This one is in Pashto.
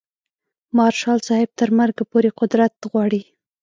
مارشال صاحب تر مرګه پورې قدرت غواړي.